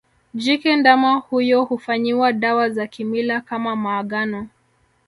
Jike ndama huyo hufanyiwa dawa za kimila kama maagano